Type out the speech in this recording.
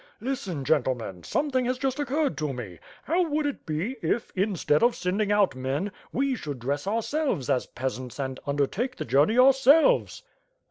Listen, gentlemen, something has just occurred to me. How would it be if, instead of send ing out men we should dress ourselves as peasants and under take the journey ourselves."